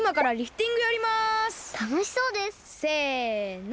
せの！